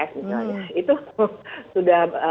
misalnya itu sudah